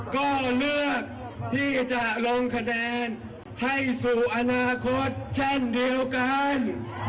ก็เลือกที่จะลงคะแนนให้สู่อนาคตเช่นเดียวกัน